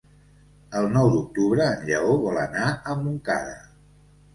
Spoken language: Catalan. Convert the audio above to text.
El nou d'octubre en Lleó vol anar a Montcada.